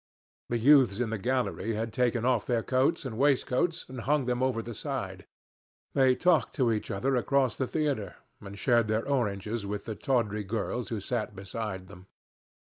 The youths in the gallery had taken off their coats and waistcoats and hung them over the side. They talked to each other across the theatre and shared their oranges with the tawdry girls who sat beside them.